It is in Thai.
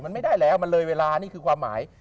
มันไม่ได้แล้วมันเลยเวลานี่คือความหมาย